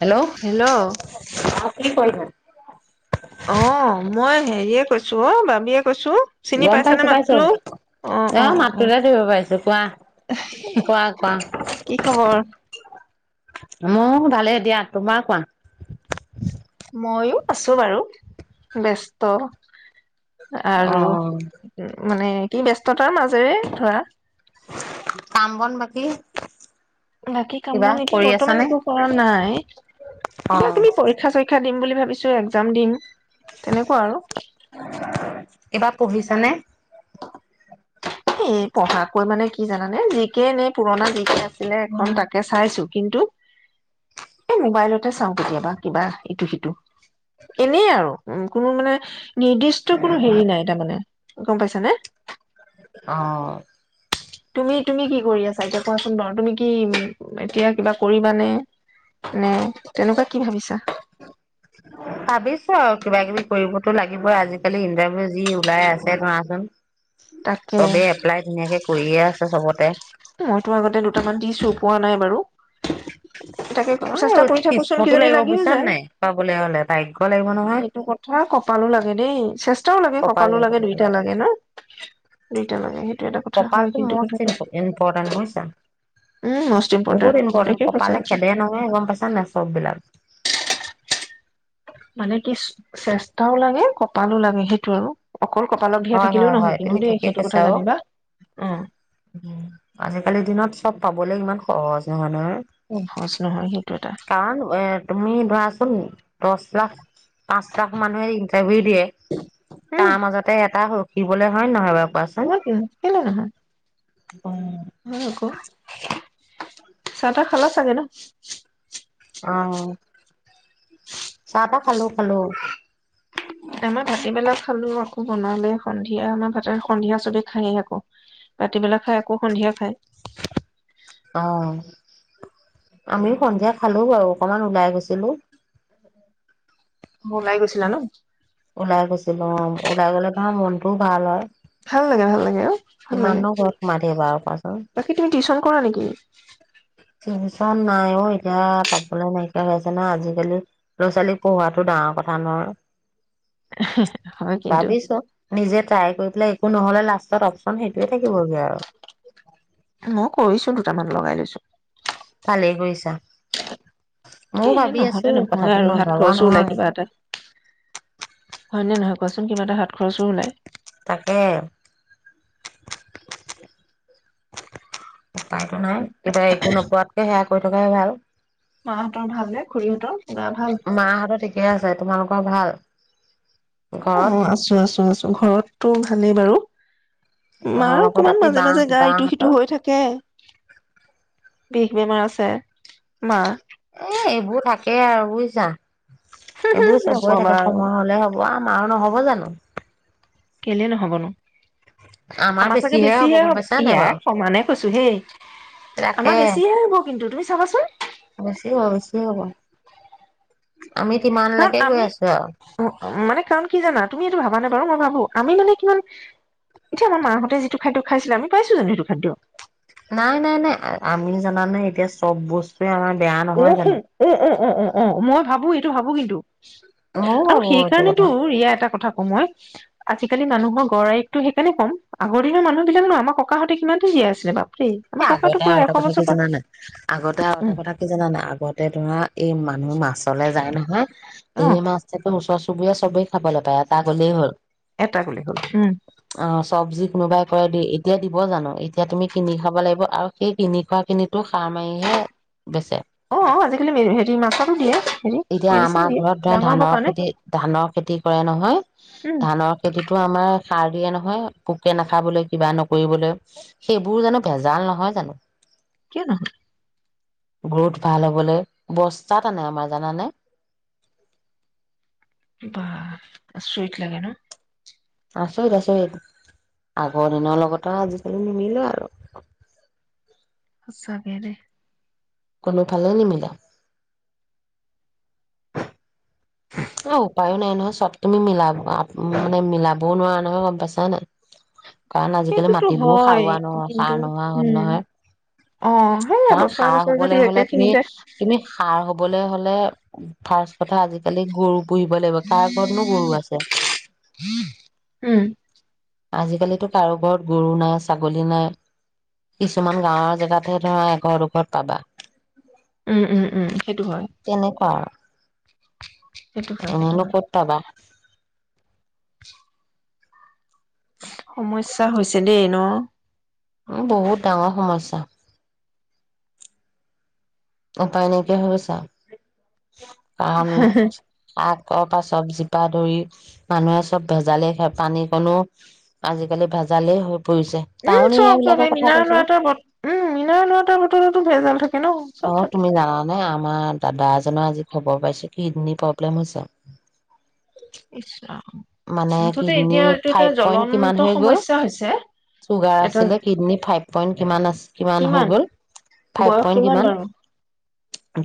Hello কি কৰিব। অ মই হেৰিয়ে কৈছো অ বাবামীয়ে কৈছো চিনি গম পাইছো পাইছানে পাইছো মাত্ৰো অ মাতটোতে ধৰিব পাৰিছো কোৱা অ কোৱা কি খবৰ মোক ভালে দিয়া তোমাৰ কোৱা। মইয়ো আছো বাৰু ব্যস্ত। অ আৰু উ মানে কি ব্যস্ততাৰ মাজেৰে ধৰা। কাম বন বাকী বাকী কাম কিবা বন এতিয়া কৰি বৰ্তমান আছানে একো কৰা নাই অ কিবা কিবি পৰীক্ষা চৰীক্ষা দিম বুলি ভাৱিছো এক্সাম দিম তেনেকোৱা আৰু তেনে এই পঢ়াকৈ ঠিকে আছিলে এখন তাকে চাইছো কিন্তু এই মোবাইলতে চাও কেতিয়াবা কিবা ইটো সিটো এনেই আৰু উম কোনো মানে নিৰ্দিষ্ট কোনো হেৰি নাই তাৰ মানে গম পাইছ নে অ তুমি তুমি কি কৰি আছা এতিয়া কোৱাচোন বাৰু তুমি কি এতিয়া কিবা কৰিবানে নে তেনেকোৱা কি ভাবিছা ভাবিছো কিবা কিবি কৰিব টো লাগিবই আজিকালি ইণ্টাৰভিউ যি ওলাই আছে ধৰাচোন তাকে চবে এপ্লাই ধুনীয়াকে কৰিয়ে আছে চবতে মইতো আগতে দুটামান দিছো পোৱা নাই বাৰু তাকে অ চেষ্টা কৰি থাকোচোন কিষ্মতো কিজানি লাগিব লাগিও বুইছ নে যায় নাই পাবলৈ হ'লে ভাগ্য লাগিব নহয় সেইটো কথা কপালো লাগে দেই চেষ্টা টাও লাগে কপাল কঁপালো লাগিব লাগে দুইটা লাগে ন দুইটা লাগে সেইটো এটা কথা হয় কপালটো কিন্তু মষ্ট কথাটো ইম্পৰ্টেণ্ট বুজিছা উম মষ্ট ইম্পৰ্টেণ্ট বহুত একে ইম্পৰ্টেনট সঁচা কপালে কথা খেদে নহয় গম পাইছা নে চব বিলাক মানে কি চেষ্টাও লাগে কপালো লাগে সেইটো আৰু অকল কপালত ধেৰ হয় থাকিলেও হয় নহয় হয় কিন্তু তুমি দেই ঠিকে সেইটো কথা কৈছা আৰু জানিবা আজিকালি দিনত চব পাবলে ইমান অ যি মানুহে সহজ নহয় সেই কাৰণ এ তুমি ধৰাচোন দশ লাখ পাঁচ লাখ মানুহে ইন্টাৰভিউ দিয়ে উম তাৰ মাজতে এটা দিবলে হয় নহয় বাও উ টো কেলে নহয় উম। হয় আক চাহ খা খালা ছাগে ন অ চাহ তাহ খালো খালো আমাৰ ভাতিবেলা খালো আকৌ বনালে সন্ধিয়া আমাৰ ভাটাৰ সন্ধিয়া চবে খায়েই আকৌ ভাতিবেলা খাই আকৌ সন্ধিয়া খাই অ আমিও সন্ধিয়া খালো বাৰু অকমান ওলাই গৈছিলো ওলাই গৈছিলা ন ওলাই গৈছিলো অ ওলাই গলে ত মনটোও ভাল হয় ভাল লাগে ভাল লাগে অ ভাল লাগে কিমাননো ঘৰত সোমাই থাকিবা আৰু কোৱাচোন। বাকী তুমি টিউশন কৰা নেকি [unintelligible] টচন নাই অ এতিয়া পাবলৈ নাইকিয়া হৈ আছে না আজিকালি ল' ছোৱালী পঢ়াতটো ডাঙৰ কথা নহয় হয় কিন্তু ভাবিছো নিজে তাই গৈ পেলাই একো নহলে লাষ্টত অপচন সেইটোোৱে থাকিবগে আৰু মই কৰিছো দুটামান লগাই লৈছো ভালেই কৰিৈছা এ নহলে নহয়ে আৰু হাত খৰচো ওলাই নহয় কিবা এটা হয় নে নহয় কোৱাচোন কিবা এটা হাত খৰচো ওলায় তাকে উপায়তো নাই কিবা একো নোপোৱাতকে সেয়া কৈ থকাই ভাল মাহঁতৰ ভাল নে খুৰীহঁতৰ গা ভাল? মাহঁতৰ ঠিকে আছে তোমালোকৰ ভাল অ ঘৰত আছো আছো আছো ঘৰতটো ভালেই বাৰু মাৰ তেওঁলোকৰ অকমান বাকী মাজে বাহ মাজে গা ইটো সিটো বাহঁতৰ হৈ থাকে বিষ বেমাৰ আছে মা এ এইবোৰ থাকেই আৰু বুজিছা এইবোৰ চবেই নকবা থাকে আৰু সময় হলে হব খোৱা ম আৰু নহ'ব জানো কেলে নহবনো আমাৰ চাগে হ'ব বেছিহে গম হ পাইছা নাই বাৰু ইয়াই সমানে কৈছো হেই তাকে আমাৰ বেছিহে হ'ব কিন্তু তুমি চাবাচোন বেছি হ'ব বেছি হ'ব আমি কাৰণ কিমানলৈকে গৈ আমি আছো আৰু মানে কাৰণ কি জানা তুমি এইটো ভাবা নাই বাৰু মই ভাবো আমি মানে কিমান এতিয়া আমাৰ মাহঁতে যিটো খাদ্য খাইছিলে আমি পাইছো জানো সেইটো খাদ্য? নাই, নাই, নাই আমি জান নাই এতিয়া চব বস্ত উম উম উম উম উম উম উম মই- ভাবো এইটো ভাবো কিন্তু ময়ও আৰু ভাবো এইটো সেইকাৰণেতটো কথা ৰিয়াই এটা কথা ক মই আজিকালি মানুহৰ গড়ইকতো সেইকাৰণে ক'ম আগৰ দিনৰ মানুহ বিলাক ন আমাৰ ককাহতে কিমানো জীয়াই আছিলে বা এ আগতে আৰু এটা কথা কি জান নাই আগতে আৰু এটা উম কথা কি জান নাই আগতে ধৰা এই মানুহ মাছলে যায় নহয়। অ এই ম আছছে ওচৰ চুবুৰীয়া চবেই খাব লাগে। াপ এটা গলেই হ'ল এটা গুলি হ'ল উম অ চব্জি কোনোবাই কৈ দি এতিয়া দিব জানো এতিয়া তুমি কিনি খ কব লাগিব আৰু সেই কিনি খোৱা কিনি সাৰ মাৰিহে বেচে। অ আজিকালি হেৰি মাছো দিয়ে। হেৰি এতিয়া মেডিচিন আমাৰ দিয়ে ঘৰত ধৰা ডাঙৰ হবৰ ধানৰ কাৰণে খেতি ধানৰ খেতি কৰে নহয় উম ধানৰ খেতিতটো আমাৰ সাৰ দিয়ে নহয় পোকে নাখাবলৈ কিবা নকৰিবলৈ সেইবোৰ জানো ভেজাল নহয় জানো? কিয় ন গ্ৰোথ ভাল হ'বলৈ বস্তাতাত নাই আমাৰ জানানাই? আচৰীত লাগে ন? আচৰিত আচৰিত আগৰ দিনৰ লগতো আজিকালি নিমিলো আৰু। সচা কেদেই। কোনোফালে নিমিলা। অ উপায়ো নাই নহয় চব তুমি মিলাব মানে মিলাবও নোৱাৰা নহয় গম পাইছা নে নাই? কাৰণ আজিকালি সেইটোতো মাটিবোৰ হয় সাৰুৱোৱা নহোৱা সাৰ কিন্তু নোহোৱা হল উম নহয় অ সেয়া কাৰণ বছৰে সাৰ বছৰে যদি হবলৈ হলে তুমি একেখিনিতে তুমি সাৰ হবলৈ হলে ফাৰচ কথা আজিকালি গৰু পুহিব লাগিব কাৰ ঘৰতনো গৰু আছে? উম আজিকালিতো কাৰো ঘৰত গৰু নাই ছাগলী নাই কিছুমান গাঁৱৰ জেগাতহে ধৰা এঘৰ দুঘৰত পাবা। উম উম উম সেইটো হয়। তেনেকুৱা আৰু সেইটো হয় সেইটো এনেনো হয় কত পাবা? [inaudible] সমস্যা হৈছে দেই ন? উ বহুত ডাঙৰ সমস্্যা। উপায় নাইকা হৈ গৈছে আৰু কাৰণ কৰ পৰা চবজি পৰা ধৰি মানুহে চব ভেজালে খায় পানীকনো আজিকালি ভেজালেই হৈ পৰিছে উম টাউন এৰিয়া চব চব বিলাকৰ এই কথা মিনাৰেল কৈছো ৱাটাৰ বট উম মিনাৰেল ৱাটাৰ বটলতো ভেজাল থাকে ন। অ চব থাকে। তুমি জানানে আ আমাৰ দাদা এজনৰ আজি খবৰ পাইছো কিডনী প্ৰব্লেম হৈছে। ইছ ৰাম মানে মুঠতে কিডনি এতিয়া এইটো এটা ফাইভ পইণ্ট কিমান জ্বলন্ত হৈ গল, সমস্যা হৈছে চুগাৰ এটা আছিলে কিডনি ফাইভ পইণ্ট কিমান আছি কিমান হৈ গল ফাইভ বয়স পইণ্ট কিমান বাৰু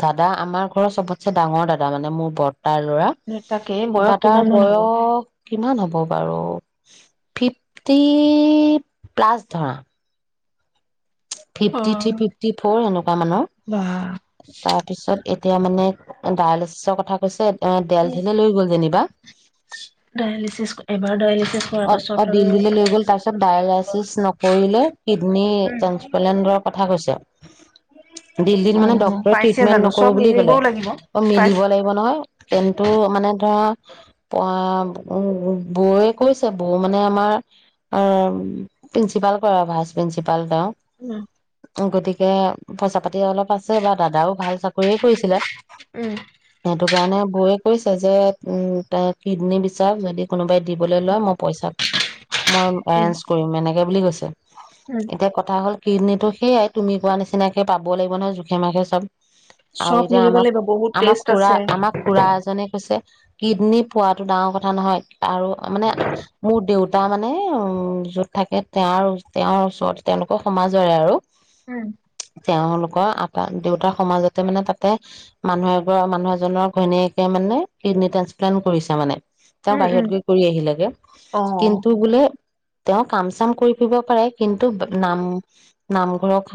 দাদা আমা আমাৰ ঘৰৰ চবতচে ডাঙৰ দাদা মানে মোৰ ওপৰত। তাৰ ল'ৰা, তাকে বয়স দাদাৰ কিমান মান হ'ব? বয়স কিমান হ'ব বাৰু ফিফটি প্লাচ ধৰা। ফিফটি থ্ৰী অ'। ফিফটি ফ'ৰ এনেকুৱা মানৰ বা তাৰপিছত। এতিয়া মানে ডায়ালিচিছৰ কথা কৈছে। এ তেল ঠিলে লৈ গ'ল যেনিবা। ডায়েলিচিছ এবাৰ ডায়েলিচিছ কৰাৰ অ পাছত অ আৰু দিল্লীলৈ গল তাৰপিছত ডায়েলাইচিছ নকৰিলে কিডনি ট্ৰেঞ্চপেলেন্ডৰ। কথা কৈছে। দিল্লীত মানে উম অ' ডক্টৰে পাইছে ট্ৰিটমেন্ট জানো নকৰো চব বুলি কলে মিলিবও লাগিব অ মিলিব পাইছে লাগিব নহয় কিন্তু মানে। পৱা পোৱা বৌয়ে কৈছে বৌ মানে আমাৰ প্ৰিন্ঞ্চিপাল কৰে ভাইচ প্ৰিন্ঞ্চিপাল তেওঁ উম গতিকে পইচা পাতি অলপ আছে বা দাদাও ভাল চাকৰিয়ে কৰিছিলে উম সেইটো কাৰণে বৌৱে কৈছে যে উ তেওঁ কিডনী বিচাৰক যদি কোনোবাই দি দিবলৈ লয় মই পইচা মই উম এৰেঞ্জ কৰিম এনেকে বুলি কৈছে উম এতিয়া কথা হ'ল কিডনীটো সেইয়াই তুমি কোৱা নিচিনাকে পাব লাগিব নহয় জোখে মাখে চব। আৰু চব এতিয়া মিলিব আমাক লাগিব বহুত আমাক টেষ্ট খুৰা আছে আমাক খুৰা এজনে কৈছে। কিডনী পোৱটো ডাঙৰ কথা নহয় আৰু। তাৰ মানে উ যত থাকে তেওঁৰ তেওঁৰ ওচৰতে তেওঁলোকৰ সমাজৰে আৰু উম তেওঁলোকৰ আটা দেউতাৰ সমাজতে মানে তাতে মানুহ এগ মানুহ এজনৰ ঘৈণীয়েকে মানে কিডনী ট্ৰান্সপ্লান্ট কৰিছে মানে তেওঁ উম বাহিৰত উম গৈ কৰি আহিলেগে। অ' কিন্তু বোলে। তেওঁ কাম চাম কৰি ফুৰিব পাৰে কিন্তু নাম নামঘৰক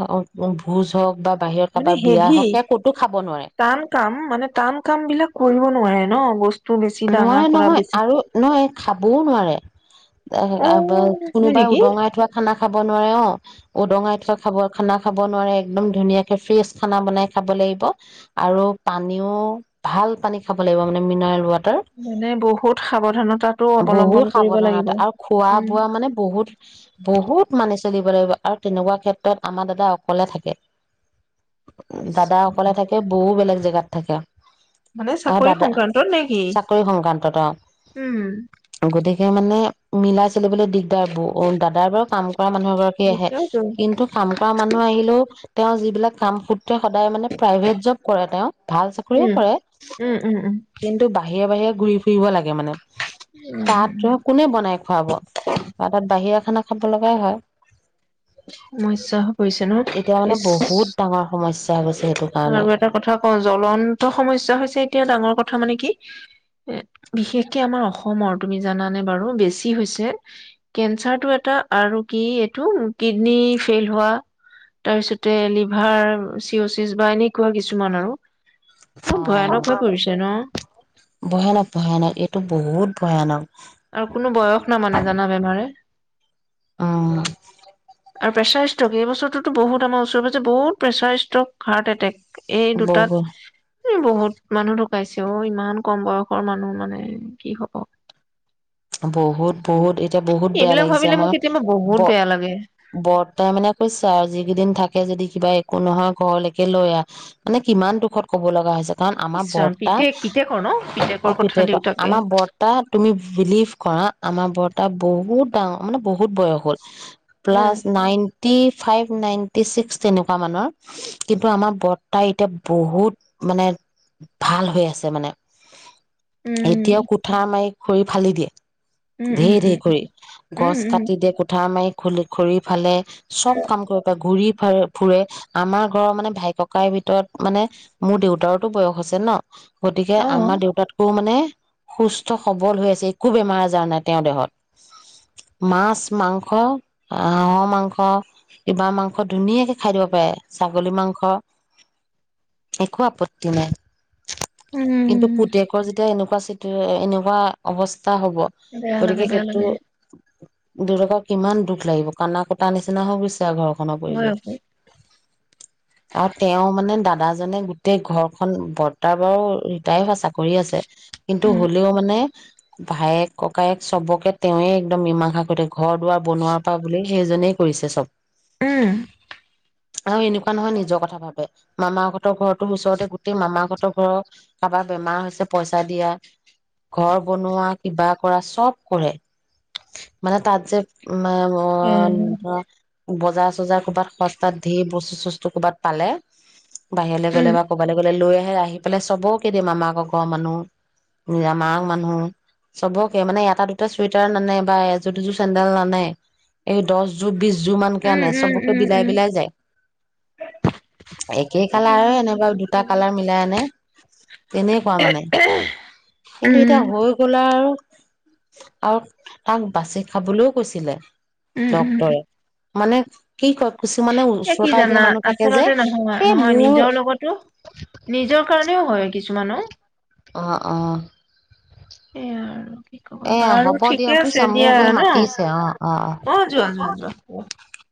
ভোজ হওঁক বা বাহিৰত মানে কাৰোবাৰ বিয়া হেভি হওক সেয়া ক'তো খাব নোৱাৰে টান কাম মানে টান কাম বিলাক কৰিব নোৱাৰে ন বস্তু বেছি নোৱাৰে ডাঙৰ কৰা নহয় বেছি আৰু নহয় খাবও অ নোৱাৰে হয় কোনোবাই নেকি উদঙাই থোৱা খানা খাব নোৱাৰে অ উদঙাই থোৱা খাব খানা খাব নোৱাৰে একদম ধুনীয়াকে ফ্ৰেছ খানা বনাই খাব লাগিব আৰু পানীও ভাল পানী খাব লাগিব মানে মিনাৰেল ৱাটাৰ। তাৰ মানে বহুত সাৱধানতাটো অৱলম্বন বহুত কৰিব লাগিব সাৱধানতা আৰু খোৱা উম বোৱা মানে বহুত বহুত মানি চলি চলিব লাগিব আৰু তেনেকুৱা ক্ষেত্ৰত আমাৰ দাদা অকলে থাকে। দাদা অকলে থাকে বৌ বেলেগ জেগাত থাকে। মানে আৰু চাকৰি দাদা সংক্ৰান্তত নে। চাকৰি সংক্ৰান্তত অ গতিকে মানে মিলাই চলিবলৈ দিগদাৰ বৌ দাদাৰ বাৰু কাম কৰা মানুহ এগৰাকী আহে দিগদাৰটো কিন্তু কাম কৰা মানুহ আহিলেও তেওঁৰ যিবিলাক কাম তেওঁ সদায় মানে প্ৰাইভেট জব কৰে তেওঁ ভাল চাকৰিয়ে উম কৰে উম উম উম বাহিৰে বাহিৰে ঘূৰি ফুৰিব লাগে মানে তাত উম ধ কোনে বনাই খুৱাব বা তাত বাহিৰা খানা খাব লগা হয় মই ইচাহ পৰিছে ন এতিয়া মানে বহুত ডাঙৰ সমস্যা হৈ গৈছে সেইটো কাৰণে আৰু এটা কথা ক জ্বলন্ত সমস্যা হৈছে এতিয়া ডাঙৰ কথা [unintelligible] চিচ বা এনেকুৱা কিছুমান আৰু বহুত অ ভয়ানক হৈ পৰিছে ন ভয়ানক ভয়ানক এইটো বহুত ভয়ানক আৰু কোনো বয়স ন মানে জানা বেমাৰে অ আৰু প্ৰেছাৰ ষ্ট্ৰক এইবছৰটোো বহুত আমাৰ ওচৰে পাজৰে বহুত প্ৰেচাৰ ষ্ট্ৰক হাৰ্ এটেক এই বহু দুটাত উ বহুত মানুহ ঢুকাইছে অ ইমান কম বয়সৰ মানুহ মানে কি হব বহুত বহুত এতিয়া বহুত বেয়া এইবিলাক লাগিছে ভাবিলে মোৰ আমাৰ কেতিয়াবা ব বহুত বেয়া লাগে বৰ্তাই মানে কৈছে আৰু যিিকেইদিন থাকে যদি কিবা একো নহয় ঘৰলৈকে লৈ আহ মানে কিমান দুখত ক'ব লগা হৈছে কাৰণ ইছ আমাৰ ৰাম বৰ্তা পিতেক পিতেকৰ ন অ পিতেকৰ প কথা ক দেউতাকে আমাৰ বৰ্তা তুমি বিলিভ কৰা আমাৰ বৰ্তা বহুত ডাঙৰ মানে বহুত বয়স হ'ল উম plus ninety five ninety six তেনেকুৱা মানৰ কিন্তু আমাৰ বৰ্তা এতিয়া বহুত মানে ভাল হৈ আছে মানে এতিয়াও উম কোঠা আমাই খৰি ফালি দিয়ে উম উম ধেৰ উম ধেৰ খ গছ উম উম উম কাটি দিয়ে কুঠা মাৰি খ খৰি ফালে উম চব কাম কৰিব পাৰে ঘুৰি ফুৰে আমাৰ ঘৰৰ মানে ভাই ককাই ভিতৰত মানে মোৰ দেউতাৰতো বয়স আছে ন গতিকে আমাৰ অ'। দেউতাতকো মানে সুস্থ সবল হৈ আছে একো বেমাৰ আজাৰ নাই তেওঁৰ দেহত মাছ মাংস হাঁহৰ মাংস কবাৰ মাংস ধুনীয়াকে খাই দিব পাৰে ছাগলী মাংস একো আপত্তি নাই কিন্তু উম। পুতেকৰ যেতিয়া এনেকুৱা এনেকুৱা অৱস্থ হ'ব বেয়া গতিকে লাগে, বেয়া সেইটো লাগে, দেউতাকক কিমান দুখ লাগিব কানা কুটা নিচিনা হৈ গৈছে আৰু ঘৰ হয় পৰিৱেশ আকৌ। আৰু তেওঁ মানে দাদ দাদাজনে গোটেই ঘৰখন বৰ্তাৰ বাৰু ৰিটায়াৰ হোৱা চাকৰি আছে কিন্তু উম, হ'লেও মানে ভায়েক ককায়েক চবকে তেয়ে একদম মীমাংসা কৰিৈতে ঘৰ দুৱাৰ বনোৱাৰ পৰা বুলি সেইজনেই কৰিছে চব উম আৰু এনেকুৱা নহয় নিজৰ কথা ভাবে মামাহঁতৰ ঘৰটোো ওচৰতে গোটেই মামাহঁতৰ ঘৰৰ কাৰোবাৰ বেমাৰ হৈছে পইচা দিয়া ঘৰ বনোৱা কিবা কৰা চব কৰে মানে তাত যে উম, মই অ বজাৰ চজাৰ কৰ'ৰবাত সস্তাত ধেই বস্তু চস্তু কৰ'ৰবাত পালে, বাহিৰলৈ গ'লে বা ক'বাল গলে লৈয়ে আহি পেলাই চবকেই দিম আমাক ঘৰ মানুহ নিজ মাক মানুহ অ চবকে মানে এটা দুটা চুৱেটাৰ নানে বা এযোৰ দুযোৰ চেন্দেল নানে এই দহ জোৰ বিছ জুৰমানকে উম, আনে উম, চবকে উম, বিলাই উম। বিলাই যায়। একে উম, কালাৰ উম, এনেকুৱা দুটা উম। কালাৰ মিলাই আনে তেনেকুৱা মানে কিন্তু এতিয়া উম, হৈ গ'ল আৰু আৰু তাক বাচি খাবলৈও কৈছিলে। উম উম উম ডক্তৰে মানে কি ক এ কি জানা আচলতে নহয় এ নহয় মোৰ নিজৰ লগতো নিজৰ কাৰনেেও হয় কিছুমানো অ অ সেইয়াই আৰু কি কবা এয়া বাৰু হ'ব দিয়া ঠিকে আছে বুজিছা মোক দিয়া এই মাতিছে অ ন অ যোৱা যোৱা যোৱা।